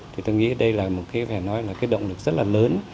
thì tôi nghĩ đây là một cái phải nói là cái động lực rất là lớn